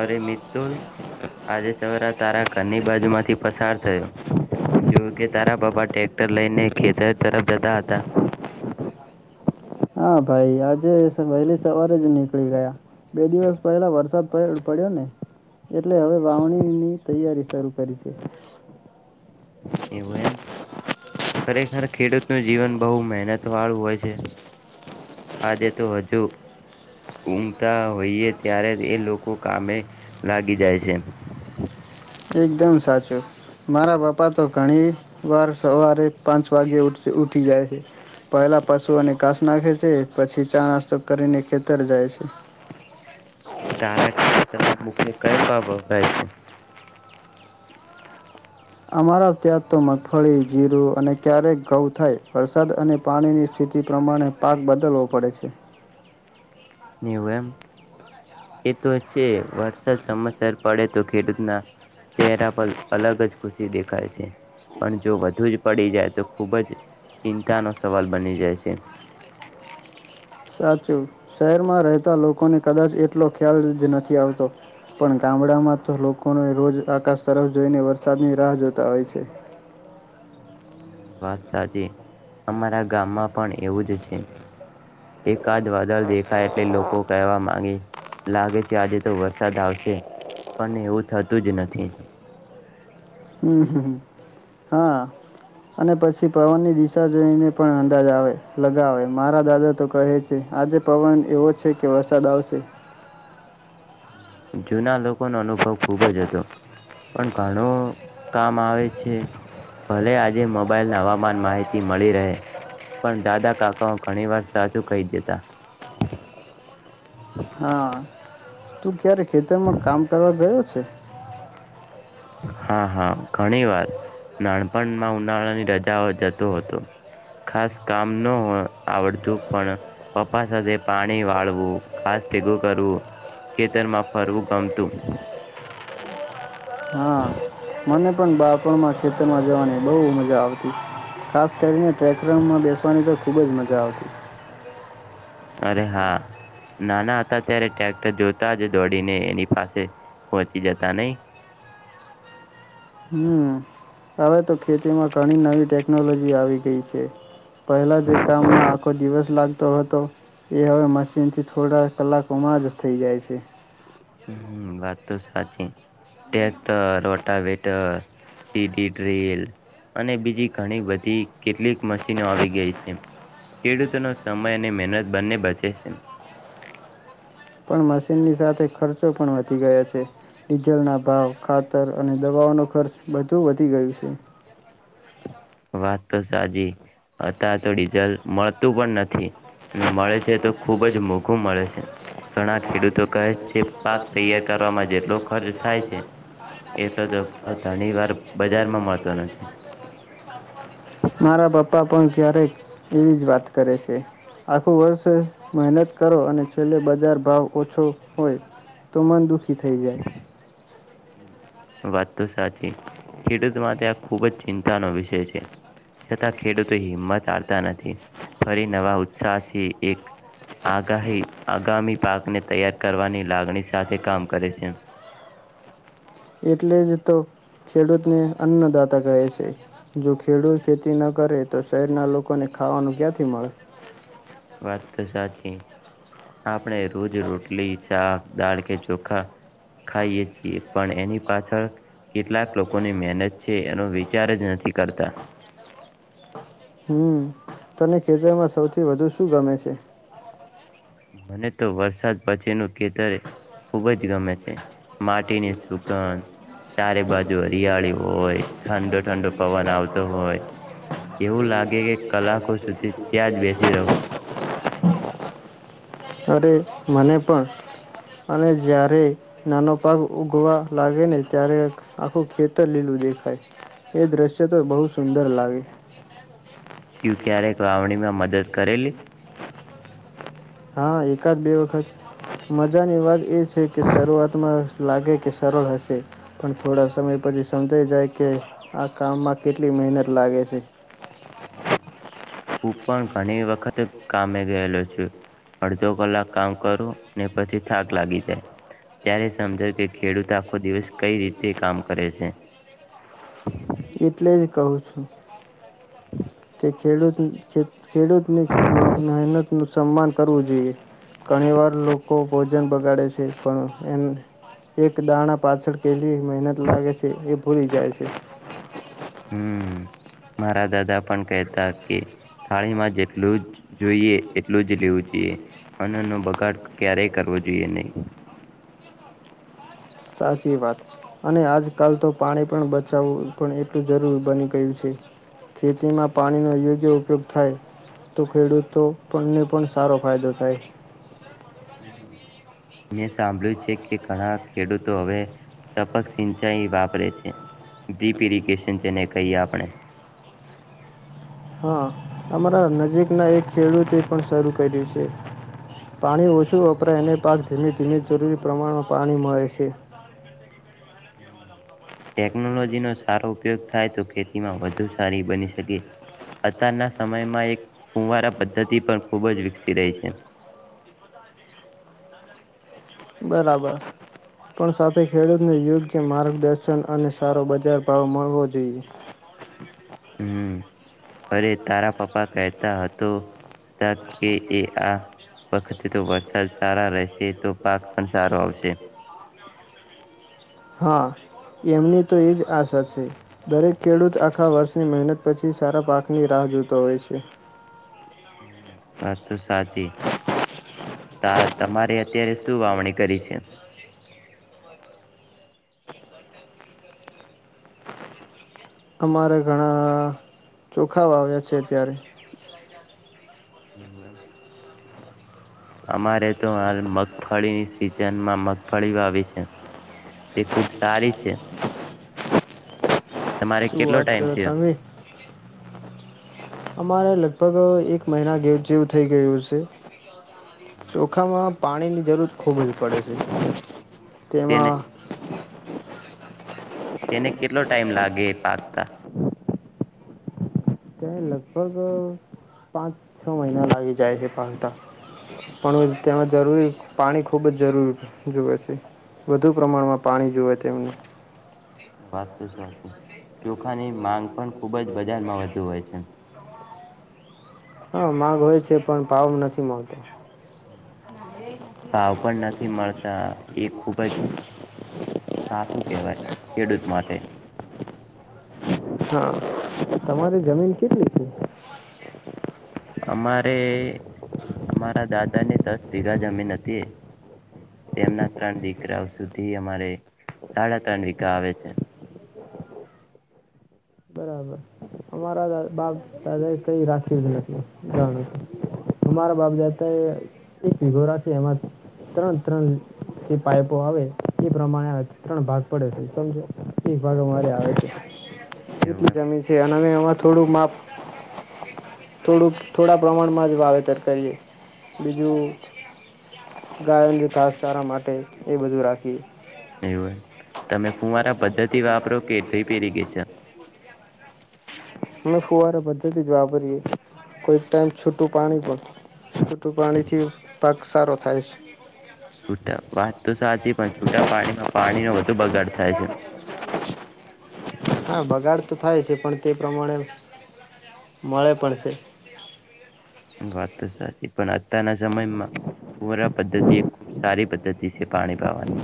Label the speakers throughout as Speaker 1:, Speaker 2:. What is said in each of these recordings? Speaker 1: અરે મિત્તુલ આજે સવારે તારા ઘરની બાજુ માંથી પસાર થયો જોું કે તારા પાપા ટ્રેક્ટર લઈને ખેતર તરફ જતા હતા
Speaker 2: હા ભાઈ આજે વહેલી સવારે જ નીકળી ગયા બે દિવસ પહેલા વરસાદ પડ્યો ને એટલે હવે વાવણીની તૈયારી શરૂ કરી છે
Speaker 1: એવું એમ ખરેખર ખેડૂત ન જીવન બહુ મહેનત વાળું હોય છે આજે તો હજુ ઊંઘતા હોઈએ ત્યારે એ લોકો કામે લાગી જાય છે.
Speaker 2: એકદમ સાચું મારા બાપા તો ઘણી વાર સવારે પાંચ વાગે ઉઠ ઉઊઠી જાય છે પહેલાં પશુઓને ઘાસ નાખે છે પછી ચાણાસ્ તો કરીને ખેતર જાય છે
Speaker 1: તારા ખેતરમાં મુખ્ય કયો પાક થાય છે
Speaker 2: અમારા ત્યાં તો મગફળી જીરું અને ક્યારેક ઘઉં થાય વરસાદ અને પાણીની સ્થિતિ પ્રમાણે પાક બદલવો પડે છે.
Speaker 1: એવું એમ એ તો છે વરસાદ સમયસર પડે તો ખેડૂતના ચહેરા પર અલગ જ ખુશી દેખાય છે પણ જો વધુ જ પડી જાય તો ખૂબ જ ચિંતાનો સવાલ બની જાય છે.
Speaker 2: સાચું શહેરમાં રહેતા લોકોને કદાચ એટલો ખ્યાલ જ નથી આવતો પણ ગામડામાં તો લોકોને રોજ આકાશ તરફ જોઈને વરસાદની રાહ જોતા હોય છે.
Speaker 1: વાત સાચી અમારા ગામમાં પણ એવું જ છે એકાદ વાદળ દેખાય એટલે લોકો કહેવા માંગે લાગે છે આજે તો વરસાદ આવશે પણ એવું થતું જ નથી.
Speaker 2: હમ હમ અને પછી પવનની દિશા જોઈને પણ અંદાજ આવે લગાવે મારા દાદા તો કહે છે આજે પવન એવો છે કે વરસાદ આવશે.
Speaker 1: જૂના લોકો નો અનુભવ ખુબ જ હતો પણ ઘણું કામ આવે છે ભલે આજે મોબાઈલ ના હવામાન માહિતી મળી રહે પણ દાદા કાકાઓ ઘણી વાર સાચું કહી દેતા.
Speaker 2: હા. તું ક્યારે ખેતરમાં કામ કરવા ગયો છે.
Speaker 1: હા હા ઘણી વાર નાનપણમાં ઉનાળાની રજાઓ જતો હતો ખાસ કામ ન આવડતું પણ પપ્પા સાથે પાણી વાળવું ઘાસ ભેગું કરવું ખેતરમાં ફરવું ગમતું.
Speaker 2: હા મને પણ બાળપણમાં ખેતરમાં જવાની બહુ મજા આવતી ખાસ કરીને ટ્રેકમાં બેસવાની તો ખૂબ જ મજા આવતી.
Speaker 1: અરે હા નાના હતા ત્યારે ટ્રેક્ટર જોતા જ દોડીને એની પાસે પહોંચી જતા નહી
Speaker 2: હમ હવે તો ખેતીમાં ઘણી નવી ટેકનોલોજી આવી ગઈ છે. પહેલા જે કામમાં આખો દિવસ લાગ તો હતો એ હવે મશીનથી થોડા કલાકોમાં જ થઈ જાય છે.
Speaker 1: હ વાત તો સાચ [inaudible] ક તો રોટા બેટ સીડી ટલ અને બીજી ઘણી બધી કેટલીક. મશીનો આવી ગઈ છે. ખેડૂતોનો સમય અને મહેનત બંને બચે છે
Speaker 2: પણ મશીનની સાથે ખર્ચો પણ વધી ગયા છે ડીઝલના ભાવ ખાતર અને દવાઓનો ખર્ચ બધુ વધી ગયું છે.
Speaker 1: વાત તો સાચી. અત્યારે તો ડીઝલ મળતું
Speaker 2: તું
Speaker 1: પણ નથી. અને મળે છે તો
Speaker 2: પણ
Speaker 1: ખૂબ જ મોંઘું મળે છે. ઘણા
Speaker 2: નથી
Speaker 1: ખેડૂતો કહે છે પાક તૈયાર
Speaker 2: ખુબ
Speaker 1: કરવામાં જેટલો ખર્ચ થાય છે
Speaker 2: જું
Speaker 1: એટલો તો ભાવ ઘણી વાર
Speaker 2: મળે
Speaker 1: બજારમાં મળતો નથી.
Speaker 2: છે મારા બાપ પપ્પા પણ ક્યારેય એવી જ વાત કરે છે આખું વર્ષ મહેનત કરો અને છેલ્લે બજાર ભાવ ઓછો હોય તો મન દુઃખી થઈ જાય.
Speaker 1: વાત તો સાચી ખેડૂત માટે આ ખુબ જ ચિંતાનો વિષય છે. છતાં ખેડૂતો હિંમત નથી ફરી નવા ઉત્સાહથી એક આગાહી આગામી પાકને તૈયાર કરવાની લાગણી સાથે કામ કરે છે.
Speaker 2: એટલે જ તો ખેડૂતને અન્નદાતા કહે છે જો ખેડૂત ખેતી ન કરે તો શહેરના લોકોને ખાવાનું ક્યાંથી મળે
Speaker 1: વાત તો સાચી [inaudible] આપણે રોજ રોટલી શાક દાળ કે ચોખા ખાઈએ છીએ પણ એની પાછળ કેટલાક લોકોની મહેનત છે એનો વિચાર જ નથી કરતા
Speaker 2: હમ તને ખેતરમાં સૌથી વધુ શું ગમે છે
Speaker 1: મને તો વરસાદ પછીનું ખેતરે સુગંધ
Speaker 2: ખબજજિયાળ
Speaker 1: ચારે બાજુ હરિયાળી હોય ઠંડો
Speaker 2: આવ
Speaker 1: ઠંડો પવન આવતો હોય એવું લાગે કે
Speaker 2: એમ
Speaker 1: કલાકો સુધી ત્યાં જ બેસી રહું
Speaker 2: લાગે્યા અરે મને પણ અને જ્યારે નાનો પાક ઉગવા લાગે ને ત્યારે આખું ખેતર લીલું દેખાય એ દ્રશ્ય તો બહુ સુંદર લાગે
Speaker 1: તું ક્યારેક વાવણી માં મદદ કરેલી
Speaker 2: હા એકાદ બે વખત મજાની વાત એ છે કે શરૂઆતમાં લાગે કે સરળ હશે પણ થોડા સમય પછી સમજાઈ જાય કે આ કામમાં કેટલી મહેનત લાગે છે
Speaker 1: હું પણ ઘણી વખત કામે ગયેલો છું અડધો કલાક કામ કરો ને પછી થાક લાગી જાય ત્યારે સમજાય કે ખેડૂત આખો દિવસ કઈ રીતે કામ કરે છે
Speaker 2: એટલે જ કહું છું કે ખેડૂત ખેડૂતની મહેનતનું સન્માન કરવું જોઈએ ઘણી વાર લોકો ભોજન બગાડે છે પણ એ એક દાણા પાછળ કે મહેનત લાગે છે એ ભૂલી જાય છે
Speaker 1: હમ મારા દાદા પણ કહેતા કે થાળીમાં જેટલું જ જોઈએ એટલું જ લેવું જોઈએ અન્ન ન બગાડ ક્યારેય કરવો જોઈએ નહી
Speaker 2: સાચી વાત અને આજકાલ તો પાણી પણ બચાવવું પણ એટલું જરૂરી બની ગયું છે ખેતીમાં પાણીનો યોગ્ય ઉપયોગ થાય તો ખેડૂતોને પણ સારો ફાયદો થાય
Speaker 1: હ મેં સાંભળ્યું છે કે ઘણા ખેડૂતો હવે ટપક સિંચાઈ વાપરે છે ડીપ ઇરિગેશન જેને કહીએ આપણે
Speaker 2: હા અમારા નજીકના એક ખેડૂતે પણ શરૂ કર્યું છે પાણી ઓછું વપરાય અને પાક ધીમે ધીમે જરૂરી પ્રમાણમાં પાણી મળે છે
Speaker 1: ટેકનોલોજી નો સારો ઉપયોગ થાય તો ખેતી માં વધુ સારી બની શકે અત્યારના સમયમાં એક ફુંવારા પદ્ધતિ પણ ખૂબ જ વિકસી રહી છે
Speaker 2: બરાબર પણ સાથે ખેડૂતને યોગ્ય માર્ગદર્શન અને સારો બજાર ભાવ મળવો જોઈએ
Speaker 1: હમ અરે તારા પપ્પા કહતા હતો ત કે એ આ વખતે તો વરસાદ સારા રહેશે તો પાક પણ સારો આવશે
Speaker 2: હા એમની તો એ જ આશા છે દરેક ખેડૂત આખા વર્ષની મહેનત પછી સારા પાકની રાહ જોતો હોય છે
Speaker 1: વાત તો સાચી તા તમારે અત્યારે શું વાવણી કરી છે
Speaker 2: અમારે ઘણા ચોખાાવ આવ્યા છે ત્યારે
Speaker 1: એવું એમ અમારે તો હાલ મગફળીની સિઝનમાં મગફળી વાવી છે તે ખુબ સારી છે તમારે
Speaker 2: શું
Speaker 1: કેટલો
Speaker 2: વાત
Speaker 1: ટાઈમ
Speaker 2: કરો
Speaker 1: થયો
Speaker 2: [inaudible] અમારે લગભગ એક મહિના જેવું થઈ ગયું છે ચોખામાં પાણી ની જરૂર ખૂબ જ પડે છે
Speaker 1: તેને
Speaker 2: તેમાં [inaudible]
Speaker 1: તેને કેટલો ટાઈમ લાગે એ પાકતા
Speaker 2: ત લગભગ પાંચ છ મહિના લાગી જાય છે પાતા પણ તેમાં જરૂરી પાણી ખુબ જ જરૂરી જુવે છે વધુ પ્રમાણમાં પાણી જુવે તેમને
Speaker 1: વાત તો સાચી ચોખાની માંગ પણ ખુબ જ બજારમાં વધુ હોય છે
Speaker 2: હા માગ હોય છે પણ પાવ નથી ગતો
Speaker 1: ભાવ પણ નથી મળતા એ ખુબ જ સાઠું ઓ કેવાાઈ ખેડૂત માટે
Speaker 2: હા તમારી જમીન કેટલી છે
Speaker 1: અમારે અમારા દાદાને દસ વીઘા જમીન હતી તેમના ત્રણ દીકરાઓ સુધી અમારે સાડા ત્રણ વીઘા આવે છે
Speaker 2: બરાબર અમારા બાપ દાદાએ કઈ રાખ્યું જ નથી જાણું અમારા બાપ દાતાએ એક ભગો રાખે એમાં ત્રણ ત્રણ જે પાઇપો આવે એ પ્રમાણે ત્રણ ભાગ પડે છે સમજો એક ભાગ અરે આવે છે
Speaker 1: એવું
Speaker 2: એટલી
Speaker 1: એમ.
Speaker 2: જમી છે અને થોડું માપ થોડું થોડા પ્રમાણમાં જ વાવેતર કરીએ બીજું ગાયન ખાસ સારા માટે એ બધું રાખીએ
Speaker 1: એવું એમ તમે ફુંવારા પદ્ધતિ થી વાપર કેટ ફેરી ગઈ છેન
Speaker 2: અમે ફુંવારે બધા જ વાપરીએ કોઈ ટાઈમ છૂટું પાણી પણ ું પાણીથી પાક સારો થાય છે [inaudible]
Speaker 1: છૂટા વાત તો સાચે પણ છૂટા પાણીમાં પાણીનો વધુ બગાડ થાય છે
Speaker 2: હા બગાડ તો થાય છે પણ તે પ્રમાણે મળે પણ છે
Speaker 1: વાત તો સાચી પણ અતારના સમયમાં પૂરા પદ્ધતિ એ ખૂબ સારી પદ્ધતિ છે પાણી પાવાની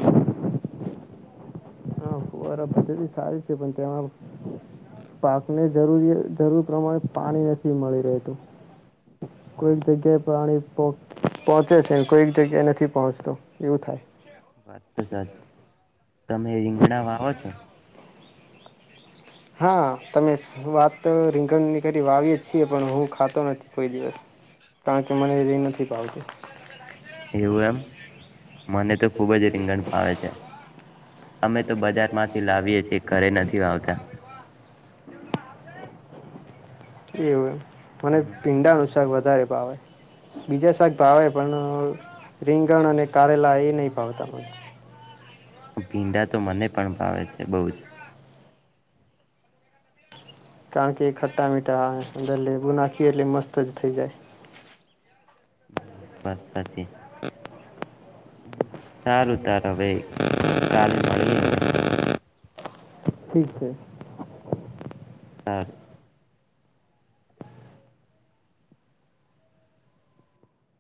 Speaker 2: રધ સારી છે પણ તેમાં પાકને જરૂરી જરૂર પ્રમાણે પાણી નથી મળી રહેતું કોઈક જગ્યાએ પાણી પોહોંચે છે કોઈક જગ્યા નથી પહોંચતો એવું થાય
Speaker 1: વાત તો સાચ તમે રીંગણા વાવો છો
Speaker 2: હા તમે વાત રીંગણની કરી વાવીએ છીએ પણ હું ખાતો નથી કોઈ દિવસ કારણ કે મને ર નથી પાવતું
Speaker 1: એવમ મને તો ખુબ જ રીંગણ ફાવે છે અમે તો બજારમાંથી લાવીએ છીએ ઘરે નથી આવતા
Speaker 2: એવું એમ મને પીંડાા ન વધ ભાવે બીજા શાક ભાવે પણ રીંગણ અને કારેલા એ ન પાવતા પ
Speaker 1: ભીંડા તો મને પણ ભાવે છે એ બહુ જ
Speaker 2: કારણ કે ખટ્ટા મીઠાંદર ગુ નાખીએ એટલે મસ્ત જ થઈ જાય
Speaker 1: હ બત સાચી સારું તરાવેાલે
Speaker 2: ઠીક છે
Speaker 1: ઘાર